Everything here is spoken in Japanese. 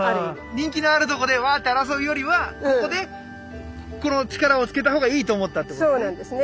人気のあるとこでわっと争うよりはここでこの力をつけた方がいいと思ったってことですね。